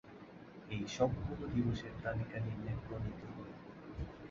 এই সবগুলো দিবসের তালিকা নিম্নে প্রণীত হলো।